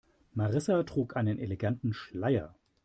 Marissa trug einen eleganten Schleier.